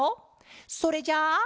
それじゃあ。